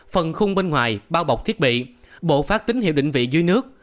phần khung bên ngoài bao bọc thiết bị bộ phát tín hiệu định vị dưới nước